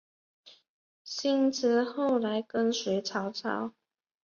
辛毗后来跟随曹操。